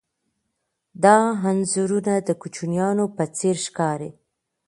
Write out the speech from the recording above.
دا انځورونه د کوچنیانو په څېر ښکاري.